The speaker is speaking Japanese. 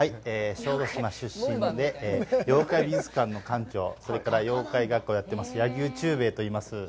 小豆島出身で、妖怪美術館の館長、それから妖怪画家もやっています、柳生忠平と申します。